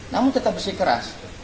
namun tetap bersih keras